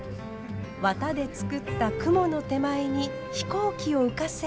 綿で作った雲の手前に飛行機を浮かせ。